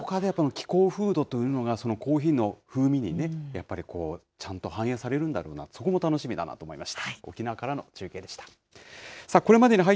どこかで気候風土というのが、コーヒーの風味にね、やっぱりこう、ちゃんと反映されるんだろうなと、そこも楽しみだなと思いました。